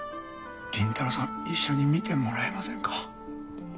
倫太郎さん一緒に見てもらえませんか？